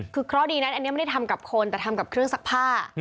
คือเคราะห์ดีนั้นอันนี้ไม่ได้ทำกับคนแต่ทำกับเครื่องซักผ้า